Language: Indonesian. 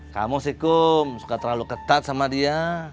kamu sih kum suka terlalu ketat sama dia